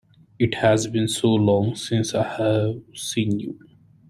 It has been so long since I have seen you!